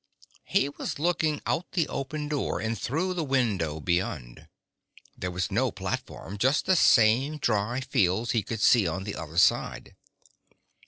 He was looking out the open door and through the window beyond. There was no platform, just the same dry fields he could see on the other side.